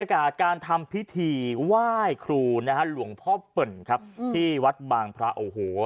อากาศการทำพิธีไหว้ครูนะฮะหลวงพ่อเปิ่นครับที่วัดบางพระโอ้โห